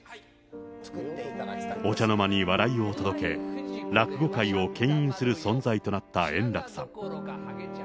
お茶の間に笑いを届け、落語界をけん引する存在となった円楽さん。